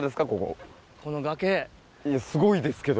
いやすごいですけど。